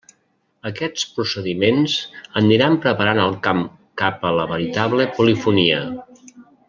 Aquests procediments aniran preparant el camp cap a la veritable polifonia.